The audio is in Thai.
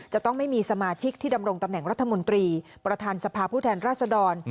จะต้องไม่มีสมาชิกที่ดำรงตำแหน่งรัฐมนตรีประธานสภาผู้แทนราชดร